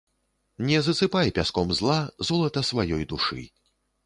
Не засыпай пяском зла золата сваёй душы.